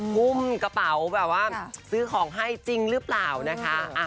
พุ่มกระเป๋าแบบว่าซื้อของให้จริงหรือเปล่านะคะ